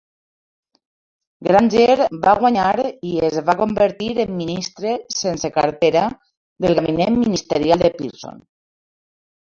Granger va guanyar i es va convertir en ministre sense cartera del gabinet ministerial de Pearson.